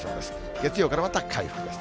月曜からまた回復です。